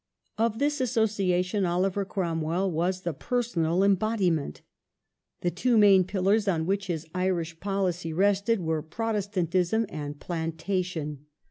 Of this association Oliver Cromwell was) the per sonal embodiment. The two main pillars on which his Irish policy rested were Protestantism and plantation.